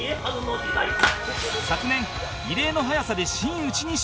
昨年異例の早さで真打ちに昇進